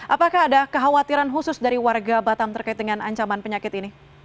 apakah ada kekhawatiran khusus dari warga batam terkait dengan ancaman penyakit ini